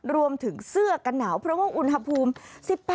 รวมถึงเสื้อกันหนาวเพราะว่าอุณหภูมิ